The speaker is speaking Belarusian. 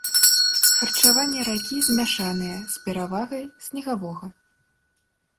Харчаванне ракі змяшанае, з перавагай снегавога.